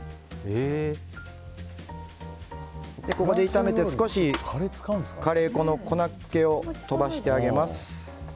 ここで炒めて少しカレー粉の粉っけを飛ばしてあげます。